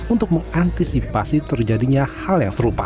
untuk mengantisipasi terjadinya hal yang serupa